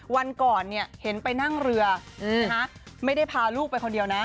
วันก่อนเห็นไปนั่งเรือไม่ได้พาลูกไปคนเดียวนะ